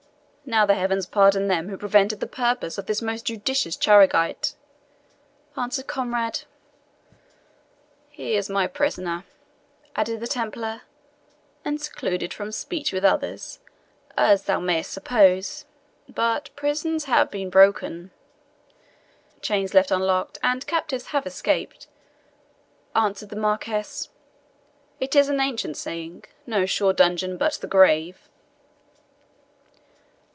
"Now the heavens pardon them who prevented the purpose of this most judicious Charegite!" answered Conrade. "He is my prisoner," added the Templar, "and secluded from speech with others, as thou mayest suppose; but prisons have been broken " "Chains left unlocked, and captives have escaped," answered the Marquis. "It is an ancient saying, no sure dungeon but the grave."